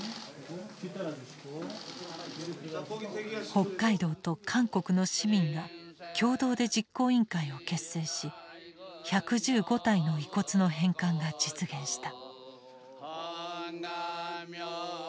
北海道と韓国の市民が共同で実行委員会を結成し１１５体の遺骨の返還が実現した。